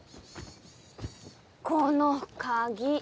この鍵。